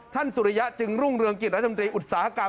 สุริยะจึงรุ่งเรืองกิจรัฐมนตรีอุตสาหกรรม